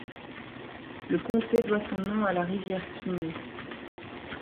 Le comté doit son nom à la rivière Kings.